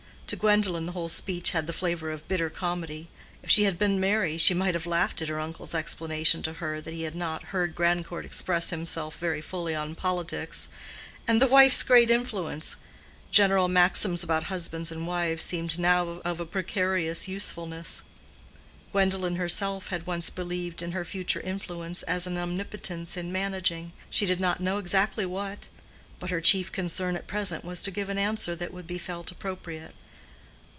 To Gwendolen the whole speech had the flavor of bitter comedy. If she had been merry, she must have laughed at her uncle's explanation to her that he had not heard Grandcourt express himself very fully on politics. And the wife's great influence! General maxims about husbands and wives seemed now of a precarious usefulness. Gwendolen herself had once believed in her future influence as an omnipotence in managing—she did not know exactly what. But her chief concern at present was to give an answer that would be felt appropriate.